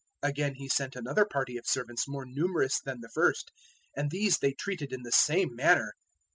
021:036 Again he sent another party of servants more numerous than the first; and these they treated in the same manner.